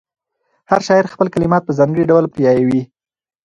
هر شاعر خپل کلمات په ځانګړي ډول پیوياي.